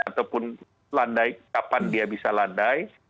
ataupun kapan dia bisa landai